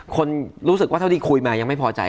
คนรู้สึกว่าเท่าที่คุยมายังไม่พอใจ